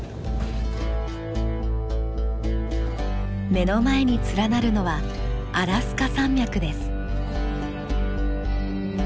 目の前に連なるのはアラスカ山脈です。